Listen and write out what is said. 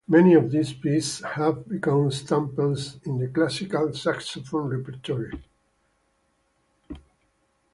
Many of these pieces have become staples in the classical saxophone repertoire.